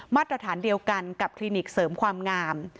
มาตรฐานเดียวกันกับคลินิกเสริมความงาม